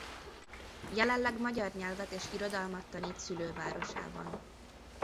Jelenleg magyar nyelvet és irodalmat tanít szülővárosában.